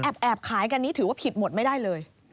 แอบขายกันนี้ถือว่าผิดหมดไม่ได้เลย